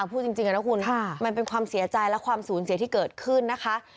พูดจริงนะคุณมันเป็นความเสียใจและความสูญเสียที่เกิดขึ้นนะคะ